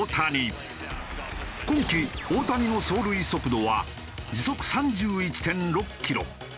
今季大谷の走塁速度は時速３１．６キロ。